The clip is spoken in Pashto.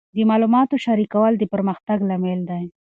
د معلوماتو شریکول د پرمختګ لامل دی.